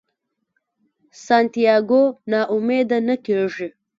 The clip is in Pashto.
سانتیاګو نا امیده نه کیږي.